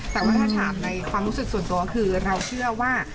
แต่ว่าถ้าถามในความรู้สึกส่วนตัวคือเราเชื่อว่า